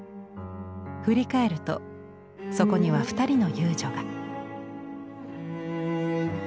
振り返るとそこには２人の遊女が。